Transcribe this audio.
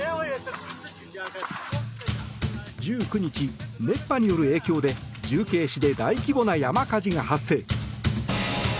１９日、熱波による影響で重慶市で大規模な山火事が発生。